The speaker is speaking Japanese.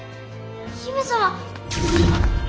姫様！